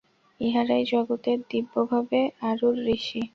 ইঁহারাই জগতের দিব্যভাবে আরূঢ় ঋষি।